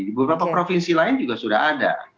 di beberapa provinsi lain juga sudah ada